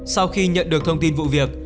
sau khi nhận được thông tin vụ việc